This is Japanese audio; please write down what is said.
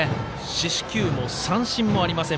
四死球も三振もありません